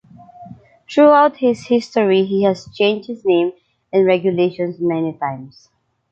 Throughout his history, he has changed his name and regulations many times.